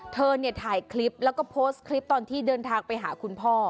เธอเนี่ยถ่ายคลิปแล้วก็โพสต์คลิปตอนที่เดินทางไปหาคุณพ่อ